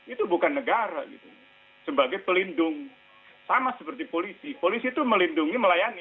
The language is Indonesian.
itu bukan negara sebagai pelindung sama seperti polisi polisi itu melindungi melayani